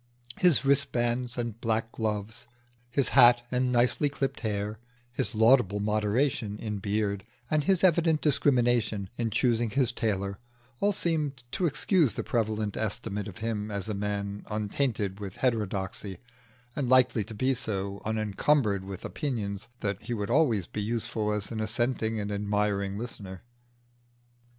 His wristbands and black gloves, his hat and nicely clipped hair, his laudable moderation in beard, and his evident discrimination in choosing his tailor, all seemed to excuse the prevalent estimate of him as a man untainted with heterodoxy, and likely to be so unencumbered with opinions that he would always be useful as an assenting and admiring listener.